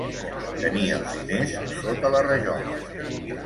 Tenir els diners sota la rajola.